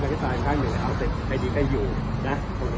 กับใช้การไรเท่านั้นเอาเสร็จใดดีใกล้อยู่นะครับ